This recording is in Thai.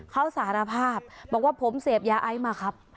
เขาสารภาพบอกว่าผมเสพยาไอซ์มาครับ